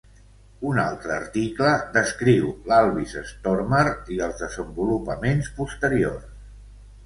Un altre article descriu l'Alvis Stormer i els desenvolupaments posteriors.